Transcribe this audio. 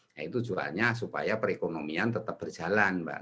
nah itu juanya supaya perekonomian tetap berjalan